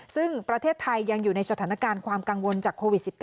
ซึ่งประเทศไทยยังอยู่ในสถานการณ์ความกังวลจากโควิด๑๙